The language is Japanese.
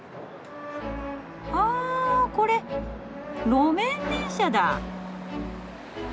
あこれ路面電車だ！